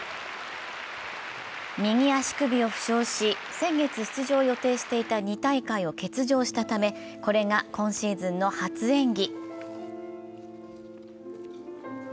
右足首を負傷し、先月出場を予定していた２大会を欠場したため、これが今シーズンの初演技。